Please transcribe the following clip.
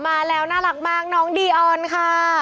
มาแล้วน่ารักมากน้องดีออนค่ะ